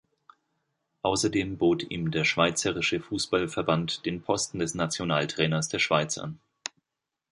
Ausserdem bot ihm der Schweizerische Fussballverband den Posten des Nationaltrainers der Schweiz an.